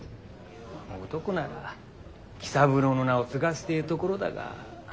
男なら喜三郎の名を継がせてえところだが。